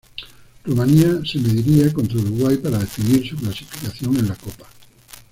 Rumania se mediría contra Uruguay para definir su clasificación en la copa.